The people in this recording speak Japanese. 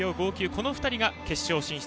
この２人が決勝進出。